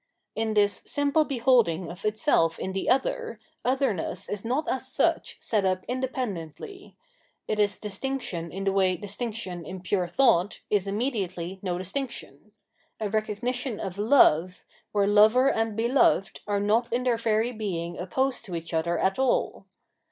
In this simple beholding of itself in the Other, otherness is not as such set up independently ; it is distinction in the way distinction, in pure thought, is immediately no distinction — a recognition of Love, where lover and beloved are not in theic very being opposed to each other at all.